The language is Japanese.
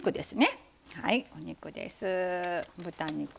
豚肉です。